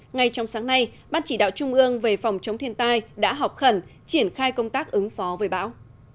ngay trong sáng nay ban chỉ đạo trung ương về phòng chống thiên tai đã họp khẩn triển khai công tác ứng phó với bão